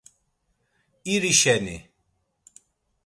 İri şeni.